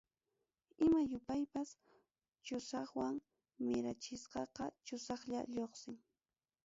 Ima yupaypas chusaqwan mirachisqaqa chusaqllam lluqsin.